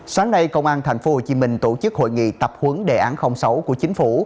sáng nay công an tp hcm tổ chức hội nghị tập huấn đề án sáu của chính phủ